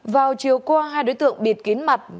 vào chiều qua hai đối tượng biệt kín mặt